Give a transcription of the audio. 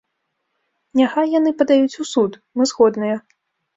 Няхай яны падаюць у суд, мы згодныя.